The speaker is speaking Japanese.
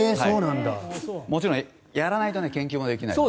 もちろんやらないと研究できないので。